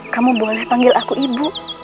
kamu boleh panggil aku ibu